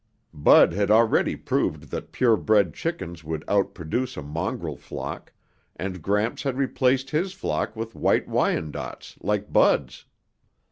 Bud had already proved that purebred chickens would outproduce a mongrel flock, and Gramps had replaced his flock with White Wyandottes like Bud's.